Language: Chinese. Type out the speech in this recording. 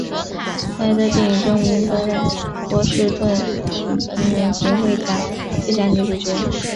她还在电影中赢得了波士顿影评人协会奖最佳女主角。